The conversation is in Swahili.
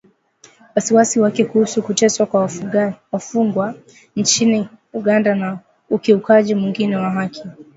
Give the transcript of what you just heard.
wasiwasi wake kuhusu kuteswa kwa wafungwa nchini Uganda na ukiukwaji mwingine wa haki